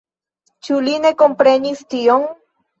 Ĉu li ne komprenis tion?